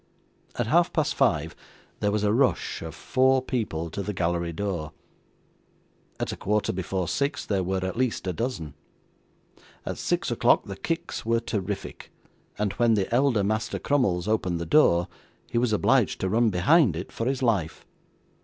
At half past five, there was a rush of four people to the gallery door; at a quarter before six, there were at least a dozen; at six o'clock the kicks were terrific; and when the elder Master Crummles opened the door, he was obliged to run behind it for his life.